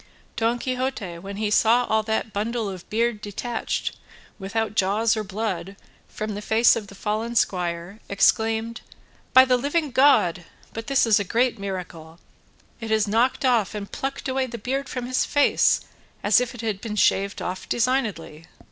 Don Quixote when he saw all that bundle of beard detached, without jaws or blood, from the face of the fallen squire, exclaimed: "By the living God, but this is a great miracle! it has knocked off and plucked away the beard from his face as if it had been shaved off designedly."